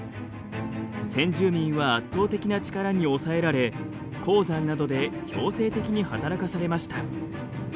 先住民は圧倒的な力に押さえられ鉱山などで強制的に働かされました。